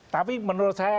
tapi menurut saya